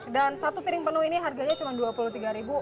dan satu piring penuh ini harganya cuma rp dua puluh tiga